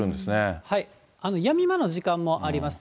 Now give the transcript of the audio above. やみ間の時間もあります。